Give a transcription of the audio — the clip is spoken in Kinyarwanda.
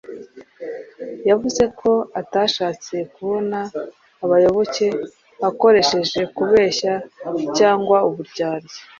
Yavuze ko atashatse kubona abayoboke akoresheje kubeshya cyangwa uburyarya.